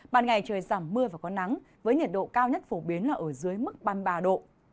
ban ngày trời giảm mưa và có nắng với nhiệt độ cao nhất phổ biến là ở dưới mức ba mươi ba độ